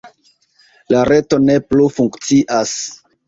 La reto ne plu funkcias.